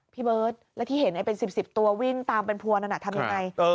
พี่เบิร์ตแล้วที่เห็นเป็น๑๐ตัววิ่งตามเป็นผัวนั่นทำยังไง